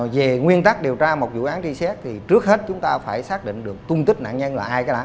về nguyên tắc điều tra một vụ án trí xét thì trước hết chúng ta phải xác định được tung tích nạn nhân là ai cái nạn